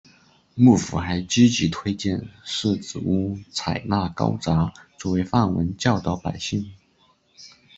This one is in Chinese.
幕府还积极推荐寺子屋采纳高札作为范文教导百姓。